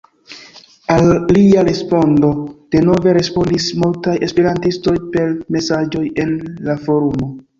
Al lia respondo denove respondis multaj Esperantistoj per mesaĝoj en la forumo.